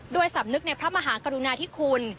สำนึกในพระมหากรุณาธิคุณ